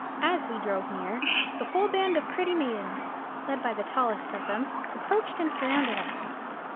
As we drove near, the whole band of pretty maidens, led by the tallest of them, approached and surrounded us.